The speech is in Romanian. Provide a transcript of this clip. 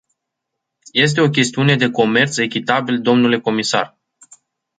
Este o chestiune de comerț echitabil, domnule comisar.